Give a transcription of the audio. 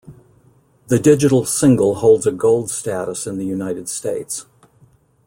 The digital single holds a Gold status in the United States.